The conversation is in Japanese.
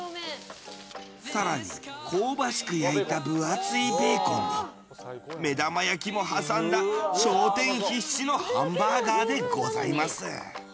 更に香ばしく焼いた分厚いベーコンに目玉焼きも挟んだ昇天必至のハンバーガーでございます。